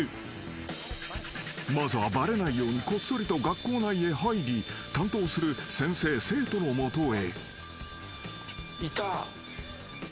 ［まずはバレないようにこっそりと学校内へ入り担当する先生生徒の元へ］